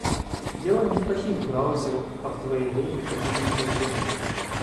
Дело не в плохих браузерах, а в твоей лени погуглить проблему.